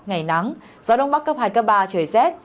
ngày nắng gió đông bắc cấp hai cấp ba trời rét